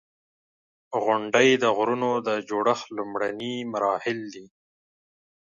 • غونډۍ د غرونو د جوړښت لومړني مراحل دي.